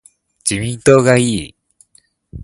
自民党がいい